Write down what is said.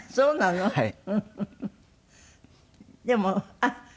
はい。